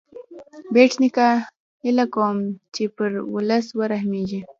بېټ نیکه هیله کوي چې پر ولس ورحمېږې.